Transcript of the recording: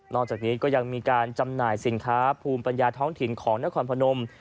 จากนี้ก็ยังมีการจำหน่ายสินค้าภูมิปัญญาท้องถิ่นของนครพนม